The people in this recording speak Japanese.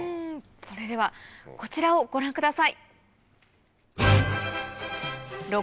それではこちらをご覧ください。